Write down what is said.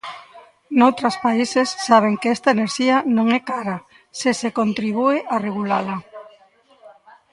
Noutras países saben que esta enerxía non é cara se se contribúe a regulala.